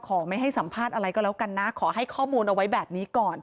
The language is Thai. ไม่ให้สัมภาษณ์อะไรก็แล้วกันนะขอให้ข้อมูลเอาไว้แบบนี้ก่อน